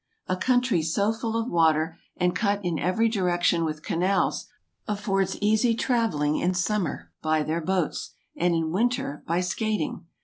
A country so full of water, and cut in every direction with canals, affords easy travelling in summer, by their boats; and in winter, by skait ing.